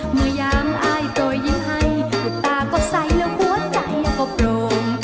เมื่อย้างอายโตยิ้มให้หัวตาก็ใส่และหัวใจก็โปร่ง